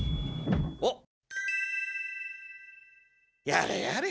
やれやれ。